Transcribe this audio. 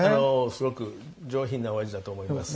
すごく上品なお味だと思います。